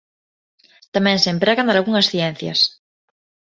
Tamén se emprega nalgunhas ciencias.